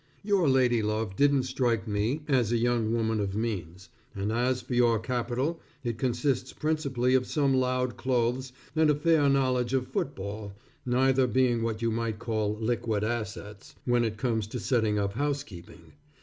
Your lady love didn't strike me as a young woman of means, and as for your capital, it consists principally of some loud clothes and a fair knowledge of football, neither being what you might call liquid assets, when it comes to setting up housekeeping.